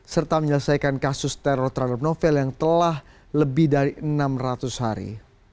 serta menyelesaikan kasus teror terhadap novel yang telah lebih dari enam ratus hari